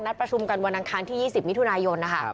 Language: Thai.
ประชุมกันวันอังคารที่๒๐มิถุนายนนะคะ